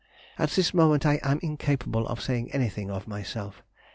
At this moment, I am incapable of saying anything of myself.